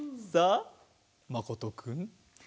さあまことくん？